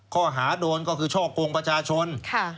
ข้อหาโดนก็คือช่อกงประชาชน